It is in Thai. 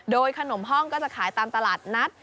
โดยขนมห้องก็จะขายตามตลาดนัด